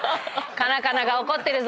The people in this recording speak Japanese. カナカナが怒ってるぞ。